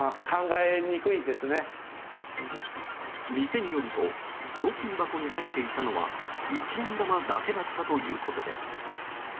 店によると料金箱に入っていたのは一円玉だけだったということです。